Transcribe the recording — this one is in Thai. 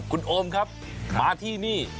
คุณโอมครับมาที่นี่